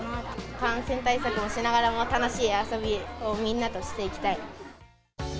感染対策をしながら、楽しい遊びをみんなとしていきたい。